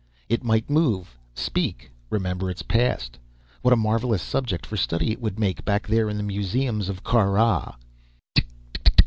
It might move, speak, remember its past! What a marvelous subject for study it would make, back there in the museums of Kar Rah!